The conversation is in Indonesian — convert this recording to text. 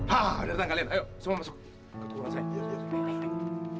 hah udah datang kalian ayo semua masuk